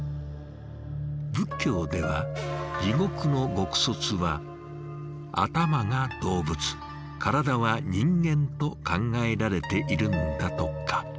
仏教では地獄の獄卒は頭が動物体は人間と考えられているんだとか。